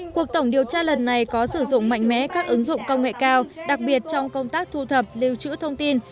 cuộc tổng điều tra lần này có sử dụng mạnh mẽ các ứng dụng công nghệ cao đặc biệt trong công tác thu thập lưu trữ thông tin